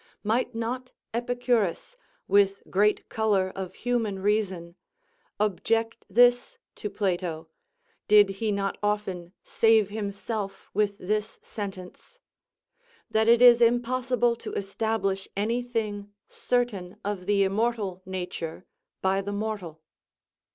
Might not Epicurus, with great colour of human reason, object this to Plato, did he not often save himself with this sentence: "That it is impossible to establish any thing certain of the immortal nature by the mortal?"